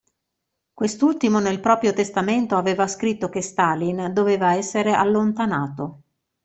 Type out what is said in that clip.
Quest'ultimo nel proprio testamento aveva scritto che Stalin doveva essere allontanato.